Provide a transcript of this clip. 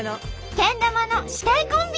けん玉の師弟コンビ！